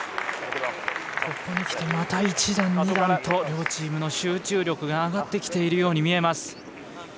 ここに来てまた一段二段と両チームの集中力が上がってきているように見えます。